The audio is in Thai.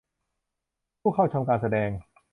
ผู้เข้าชมการแสดง